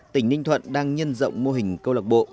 tỉnh ninh thuận đang nhân rộng mô hình câu lạc bộ